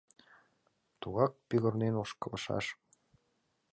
Тугак пӱгырнен ошкылшаш.